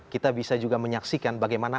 kita bisa juga menyaksikan bagaimana